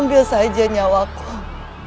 biarkan aku mengobati kalian